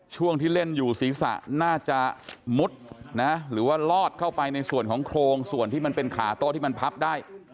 ช่วงที่เล่นอยู่ศีรษะน่าจะมุดนะหรือว่าลอดเข้าไปในส่วนของโครงส่วนที่มันเป็นขาโต๊ะที่มันพับได้